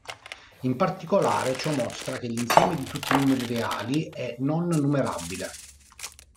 In particolare, ciò mostra che l'insieme di tutti i numeri reali è non numerabile.